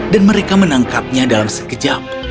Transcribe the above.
dan mereka menangkapnya dalam sekejap